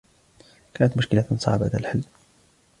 كانت مشكلة صعبة الحل.